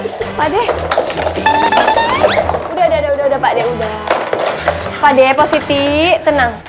pak adek positi tenang